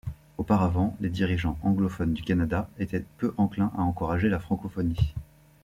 Auparavant, les dirigeants anglophones du Canada étaient peu enclins à encourager la francophonie.